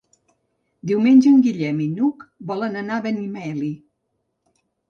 Diumenge en Guillem i n'Hug volen anar a Benimeli.